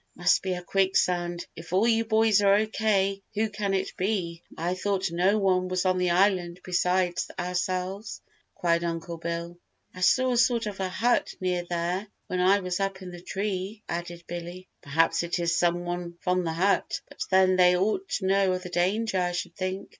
"Must be a quicksand. If all you boys are O. K. who can it be? I thought no one was on the island besides ourselves?" cried Uncle Bill. "I saw a sort of a hut near there when I was up in the tree!" added Billy. "Perhaps it is some one from the hut; but then they ought to know of the danger I should think!